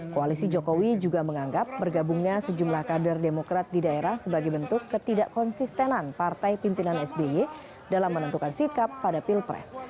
koalisi jokowi juga menganggap bergabungnya sejumlah kader demokrat di daerah sebagai bentuk ketidak konsistenan partai pimpinan sby dalam menentukan sikap pada pilpres